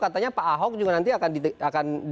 katanya pak ahok juga nanti akan